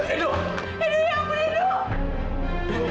ido ya ampun ido